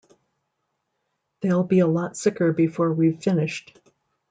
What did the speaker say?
They'll be a lot sicker before we've finished.